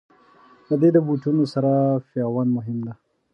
د دې بوټو سره پیوند مهم دی.